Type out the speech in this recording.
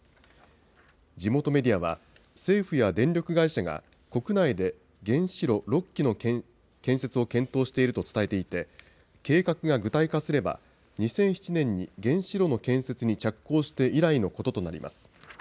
地元メディアは、政府や電力会社が、国内で原子炉６基の建設を検討していると伝えていて、計画が具体化すれば、２００７年に原子炉の建設に着工して以来のこととなります。